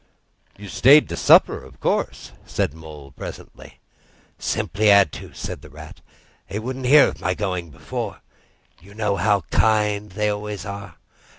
"You stayed to supper, of course?" said the Mole presently. "Simply had to," said the Rat. "They wouldn't hear of my going before. You know how kind they always are.